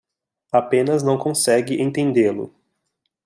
Apenas não consegue entendê-lo